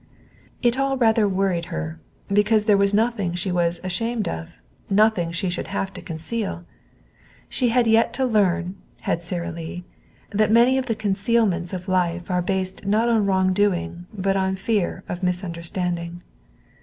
It all rather worried her, because there was nothing she was ashamed of, nothing she should have had to conceal. She had yet to learn, had Sara Lee, that many of the concealments of life are based not on wrongdoing but on fear of misunderstanding.